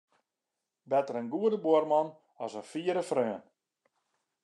Better in goede buorman as in fiere freon.